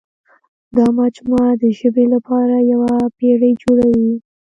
دا مجموعه د ژبې لپاره یوه پېړۍ جوړوي.